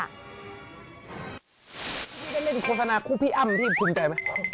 ในโธสนาของที่พี่อ้ำที่หายดีใจไหม